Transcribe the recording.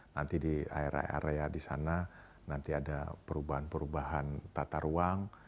nanti di area area di sana nanti ada perubahan perubahan tata ruang